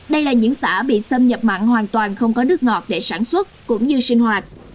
đây là những xã bị xâm nhập mặn hoàn toàn không có nước ngọt để sản xuất cũng như sinh hoạt